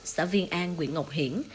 xã viên an nguyễn ngọc hiển